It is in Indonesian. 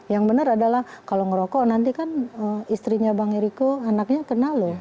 yang benar adalah kalau ngerokok nanti kan istrinya bang eriko anaknya kena loh